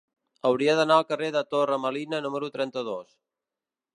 Hauria d'anar al carrer de Torre Melina número trenta-dos.